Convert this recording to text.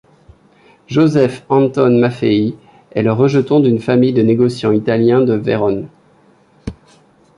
Joseph Anton Maffei est le rejeton d'une famille de négociants italiens de Vérone.